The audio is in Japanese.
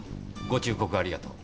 ご忠告ありがとう。